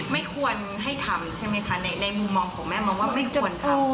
ไม่ควรให้ทำใช่ไหมคะในมุมมองของแม่มองว่าไม่ควรทำ